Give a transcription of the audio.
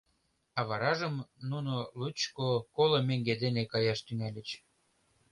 А варажым нуно лучко — коло меҥге дене каяш тӱҥальыч.